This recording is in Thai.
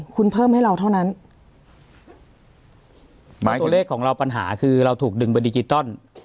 คุณเพิ่มให้เราเท่านั้นหมายตัวเลขของเราปัญหาคือเราถูกดึงไปดิจิตอล